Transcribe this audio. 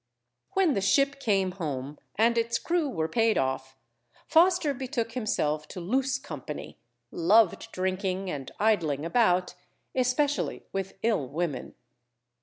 When the ship came home, and its crew were paid off, Foster betook himself to loose company, loved drinking and idling about, especially with ill women.